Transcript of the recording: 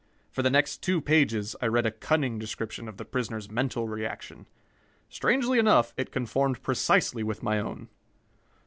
For the next two pages I read a cunning description of the prisoner's mental reaction. Strangely enough, it conformed precisely with my own.